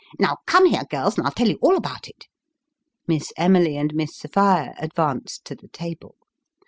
Now, come here, girls, and I'll tell you all about it." Miss Emily and Miss Sophia advanced to the table.